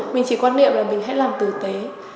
mình chỉ quan niệm là mình hãy làm tử tế